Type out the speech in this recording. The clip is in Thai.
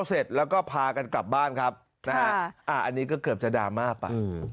เสร็จแล้วก็พากันกลับบ้านครับนะฮะอันนี้ก็เกือบจะดราม่าไป